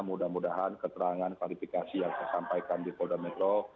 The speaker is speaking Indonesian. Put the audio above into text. mudah mudahan keterangan klarifikasi yang saya sampaikan di polda metro